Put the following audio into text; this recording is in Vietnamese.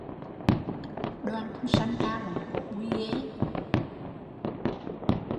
Đoàn Kim Sanh ca vọng cổ bui ghê